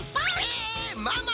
えママ